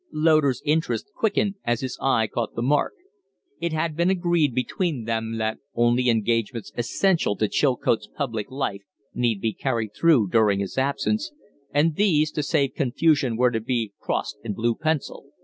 Loder's interest quickened as his eye caught the mark. It had been agreed between them that only engagements essential to Chilcote's public life need be carried through during his absence, and these, to save confusion, were to be crossed in blue pencil.